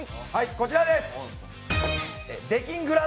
こちらです。